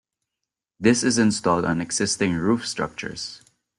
This is installed on existing roof structures.